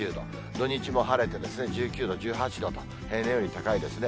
土日も晴れて１９度、１８度と、平年より高いですね。